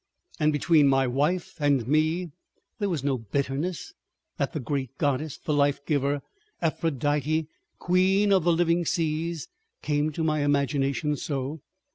And between my wife and me there was no bitterness that the great goddess, the life giver, Aphrodite, Queen of the living Seas, came to my imagination so.